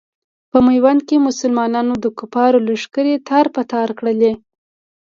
په میوند کې مسلمانانو د کفارو لښکرې تار په تار کړلې.